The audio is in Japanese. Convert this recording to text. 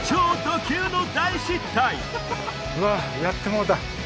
うわやってもうた。